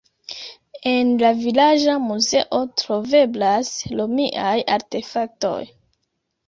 En la vilaĝa muzeo troveblas romiaj artefaktoj.